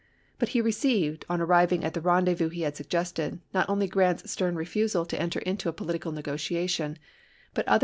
But he received, on arriving at the rendezvous he had suggested, not only Grant's stern refusal to enter into a political negotiation, Vol.